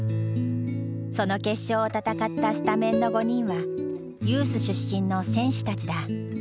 その決勝を戦ったスタメンの５人はユース出身の選手たちだ。